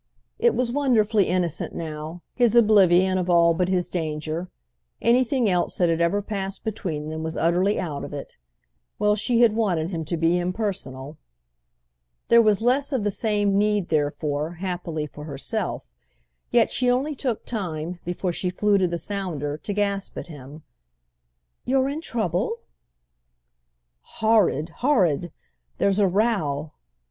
It was wonderfully innocent now, his oblivion of all but his danger. Anything else that had ever passed between them was utterly out of it. Well, she had wanted him to be impersonal! There was less of the same need therefore, happily, for herself; yet she only took time, before she flew to the sounder, to gasp at him: "You're in trouble?" "Horrid, horrid—there's a row!"